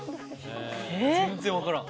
全然分からん。